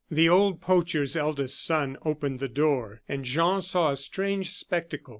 The old poacher's eldest son opened the door, and Jean saw a strange spectacle.